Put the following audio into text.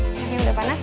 onionnya udah panas